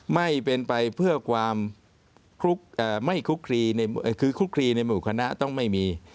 ไม่เป็นไปเพื่อกวามคุกครีในหมู่คณะต้องไม่มี